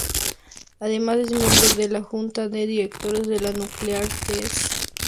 Además, es miembro de la Junta de Directores de la Nuclear Threat Initiative.